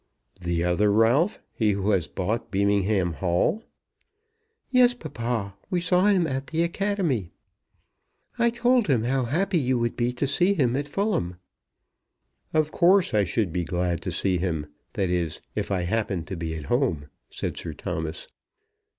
"The other Ralph; he who has bought Beamingham Hall?" "Yes, papa; we saw him at the Academy. I told him how happy you would be to see him at Fulham." "Of course I should be glad to see him; that is, if I happened to be at home," said Sir Thomas.